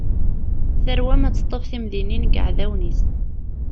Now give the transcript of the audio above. Tarwa-m ad teṭṭef timdinin n yiɛdawen-is!